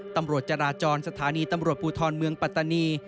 ตำรวจจราจรสถานีตำรวจภูทรเมืองปัตตานี